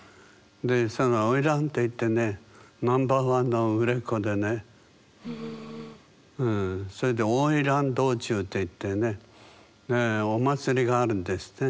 でその花魁っていってねナンバーワンの売れっ子でねそれで花魁道中っていってねお祭りがあるんですね。